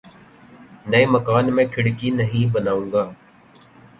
نئے مکان میں کھڑکی نہیں بناؤں گا